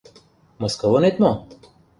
Мыскылынет мо?